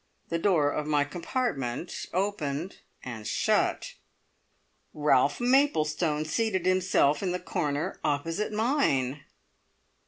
The door of my compartment opened and shut. Ralph Maplestone seated himself in the corner opposite mine!